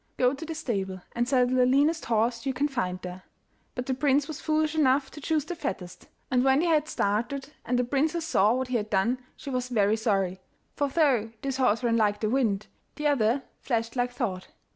Go to the stable and saddle the leanest horse you can find there.' But the prince was foolish enough to choose the fattest: and when they had started and the princess saw what he had done, she was very sorry, for though this horse ran like the wind, the other flashed like thought.